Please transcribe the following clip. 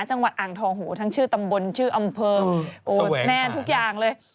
จังหวัดอ่างทองหูทั้งชื่อตำบลชื่ออำเภออดแน่นทุกอย่างเลย